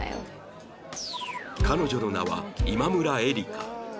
彼女の名は今村エリカ